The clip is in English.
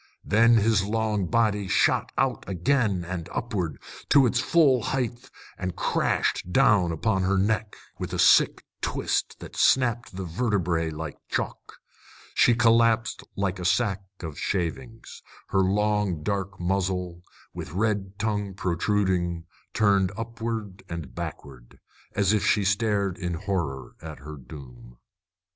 Then his long body shot out again and upward, to its full height, and crashed down upon her neck, with a sick twist that snapped the vertebræ like chalk. She collapsed like a sack of shavings, her long dark muzzle, with red tongue protruding, turned upward and backward, as if she stared in horror at her doom.